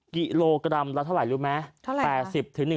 กิโลกรัมละเท่าไหร่รู้ไหม